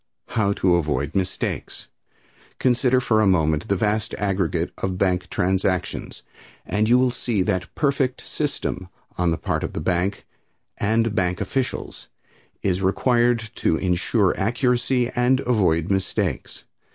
How to Avoid Mistakes. Consider for a moment the vast aggregate of bank transactions, and you will see that perfect system on the part of the banks and bank officials is required to insure accuracy and avoid mistakes.